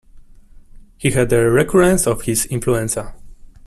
He had a recurrence of his influenza.